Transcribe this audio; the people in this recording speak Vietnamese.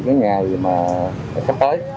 cho những ngày sắp tới